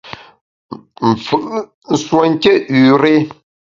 Mfù’ nsuonké üre !